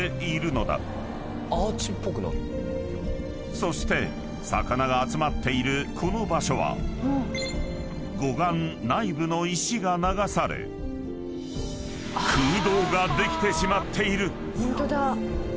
［そして魚が集まっているこの場所は護岸内部の石が流され空洞ができてしまっている］